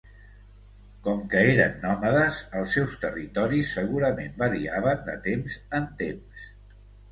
Com que eren nòmades els seus territoris segurament variaven de temps en temps.